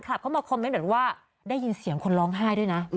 ก็ค้างแบบนี้เลยหรอ